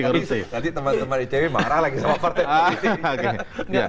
nah tadi teman teman itw marah lagi